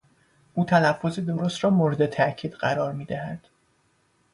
او تلفظ درست را مورد تاکید قرار میدهد.